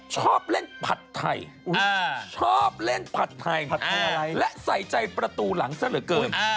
ชอบเล่นผัดไทยชอบเล่นผัดไทยผัดไทยและใส่ใจประตูหลังซะเหลือเกิน